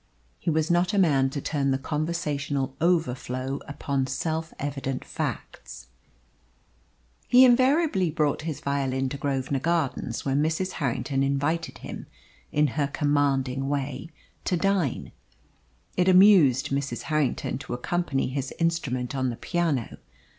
He was not a man to turn the conversational overflow upon self evident facts. He invariably brought his violin to Grosvenor Gardens when Mrs. Harrington invited him, in her commanding way, to dine. It amused Mrs. Harrington to accompany his instrument on the piano.